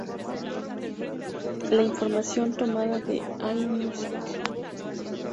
Información tomada de Allmusic.